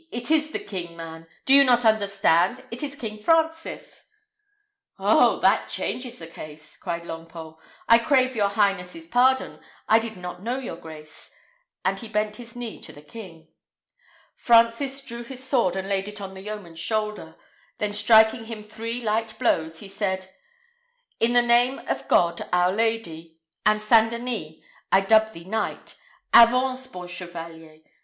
It is the king, man! Do you not understand? It is King Francis!" "Oh! that changes the case," cried Longpole; "I crave your highness's pardon. I did not know your grace;" and he bent his knee to the king. Francis drew his sword, and laid it on the yeoman's shoulder; then striking him three light blows, he said, "In the name of God, our Lady, and St. Denis, I dub thee knight. _Avance, bon chevalier!